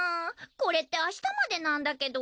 これって明日までなんだけど。